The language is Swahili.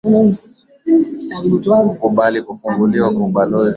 Japani kukubali kufunguliwa kwa ubalozi na kupokea wafanyabiashara